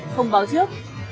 không báo trước